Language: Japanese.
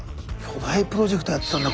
巨大プロジェクトやってたんだ